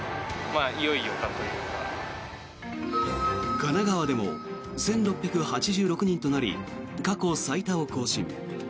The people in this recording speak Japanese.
神奈川でも１６８６人となり過去最多を更新。